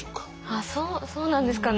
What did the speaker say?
あそうそうなんですかね。